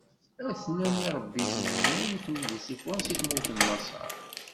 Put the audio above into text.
A-ten-an iṛebbiten-nwen i ken-id-issufɣen si tmurt n Maṣer.